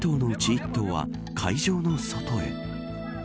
１頭は会場の外へ。